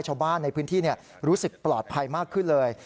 ชาวบ้านในพื้นที่รู้สึกปลอดภัยมากขึ้นเลย